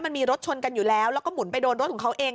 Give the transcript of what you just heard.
มันมีรถชนกันอยู่แล้วแล้วก็หมุนไปโดนรถของเขาเอง